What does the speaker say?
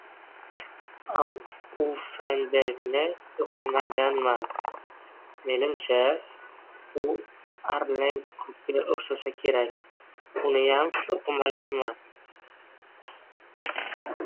Auffenbergni o‘qimaganman. Menimcha, u Arlenkurga o‘xshasa kerak. Uniyam o‘qimaganman.